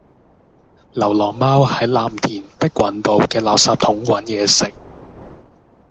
流浪貓喺藍田碧雲道嘅垃圾桶搵野食